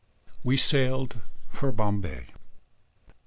] We sailed for Bombay.